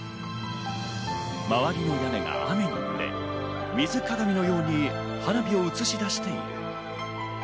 周りの屋根が雨に濡れ、水鏡のように花火を映し出している。